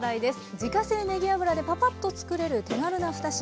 自家製ねぎ油でパパッと作れる手軽な２品。